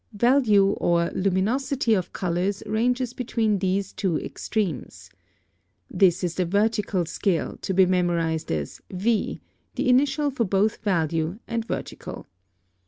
Value or luminosity of colors ranges between these two extremes. This is the vertical scale, to be memorized as V, the initial for both value and vertical.